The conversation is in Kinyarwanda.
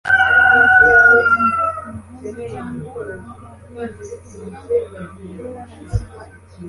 arenze ku muhanda cyangwa agahubuka ku ibaraza.